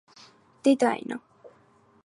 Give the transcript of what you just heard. დედა ენა